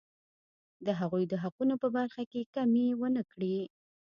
د هغوی د حقونو په برخه کې کمی ونه کړي.